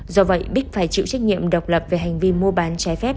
do vậy bích phải chịu trách nhiệm độc lập về hành vi mua bán trái phép